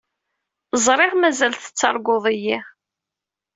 Ẓriɣ mazal tettarguḍ-iyi.